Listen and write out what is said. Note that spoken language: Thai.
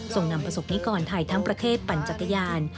นำประสบนิกรไทยทั้งประเทศปั่นจักรยาน